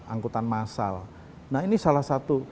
angkutan massal nah ini salah satu